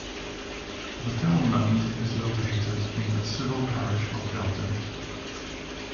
The townland is located in the civil parish of Delvin.